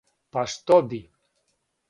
Па што би?